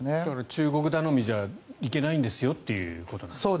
中国頼みじゃいけないんですよということですね。